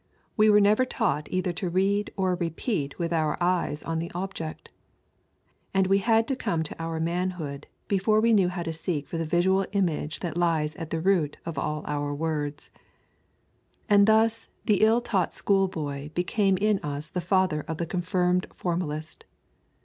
We were never taught either to read or repeat with our eyes on the object. And we had come to our manhood before we knew how to seek for the visual image that lies at the root of all our words. And thus the ill taught schoolboy became in us the father of the confirmed formalist.